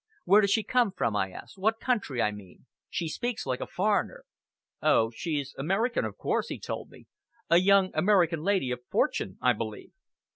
"Where does she come from?" I asked "what country, I mean? She speaks like a foreigner!" "Oh! she's American, of course," he told me "a young American lady of fortune, I believe."